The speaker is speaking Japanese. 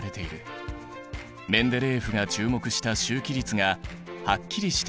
メンデレーエフが注目した周期律がはっきりしているグループだ。